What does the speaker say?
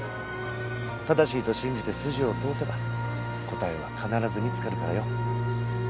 正しいと信じて筋を通せば答えは必ず見つかるからよ。